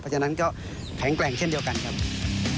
เพราะฉะนั้นก็แข็งแกร่งเช่นเดียวกันครับ